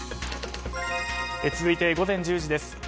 続いて、午前１０時です。